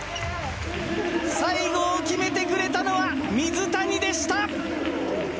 最後を決めてくれたのは水谷でした！